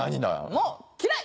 もう嫌い！